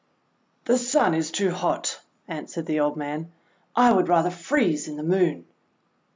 :The Sun is too hot," answered the old man. "I would rather freeze in the Moon."